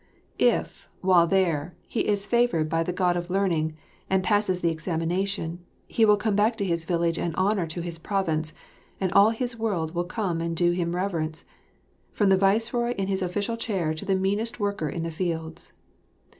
If, while there, he is favoured by the God of Learning and passes the examination, he will come back to his village an honour to his province, and all his world will come and do him reverence, from the viceroy in his official chair to the meanest worker in the fields.